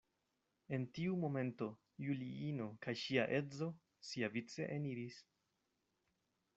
En tiu momento Juliino kaj ŝia edzo siavice eniris.